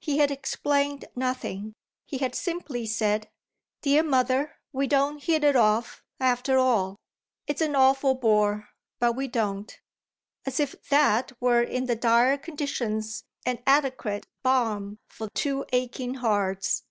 He had explained nothing, he had simply said, "Dear mother, we don't hit it off, after all; it's an awful bore, but we don't" as if that were in the dire conditions an adequate balm for two aching hearts.